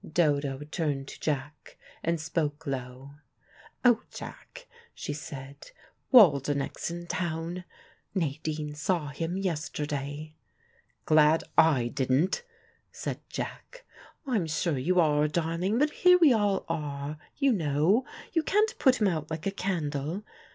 Dodo turned to Jack, and spoke low. "Oh, Jack," she said, "Waldenech's in town. Nadine saw him yesterday." "Glad I didn't," said Jack. "I'm sure you are, darling. But here we all are, you know. You can't put him out like a candle.